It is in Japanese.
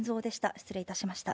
失礼いたしました。